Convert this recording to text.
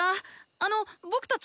あのっ僕たち。